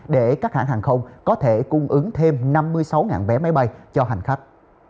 để các hãng hàng không có thể cung ứng thêm năm mươi sáu vé máy bay cho hành khách